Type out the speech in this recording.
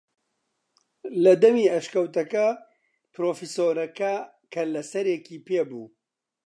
لە دەمی ئەشکەوتەکە پرۆفیسۆرەکە کەللەسەرێکی پێ بوو